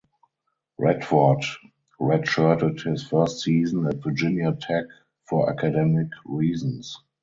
Radford redshirted his first season at Virginia Tech for academic reasons.